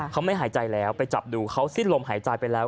เขาไม่หายใจแล้วไปจับดูเขาสิ้นลมหายใจไปแล้ว